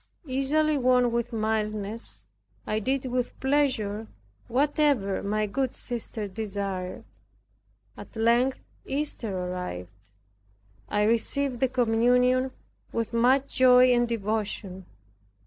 Easily won with mildness, I did with pleasure whatever my good sister desired. At length Easter arrived; I received the communion with much joy and devotion.